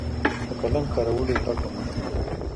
د قلم کارولو زده کړه مهمه ده.